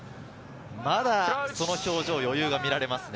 まだその表情には余裕が見られますね。